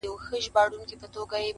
ما به لیده چي زولنې دي ماتولې اشنا،